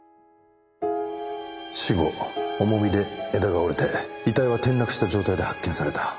死後重みで枝が折れて遺体は転落した状態で発見された。